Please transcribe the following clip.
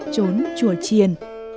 chốn chùa triền